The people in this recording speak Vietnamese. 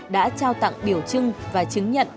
đã trao tặng biểu trưng và chứng nhận